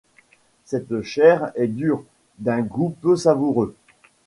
Cette chair est dure, d’un goût peu savoureux.